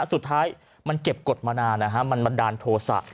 สุดท้ายมันเก็บกฎมานานมันบันดาลโทษะ